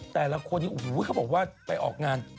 แต่ละคนอย่างโหเค้าบอกว่าไปออกงาน